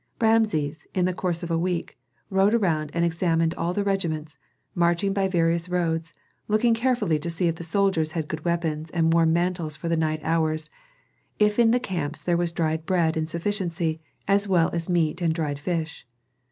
Rameses, in the course of a week, rode around and examined all the regiments, marching by various roads, looking carefully to see if the soldiers had good weapons and warm mantles for the night hours, if in the camps there was dried bread in sufficiency as well as meat and dried fish.